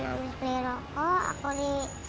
nah beli rokok aku di